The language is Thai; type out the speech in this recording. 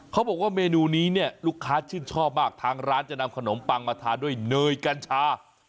เขาบอกว่าเมนูนี้เนี่ยลูกค้าชื่นชอบมากทางร้านจะนำขนมปังมาทานด้วยเนยกัญชา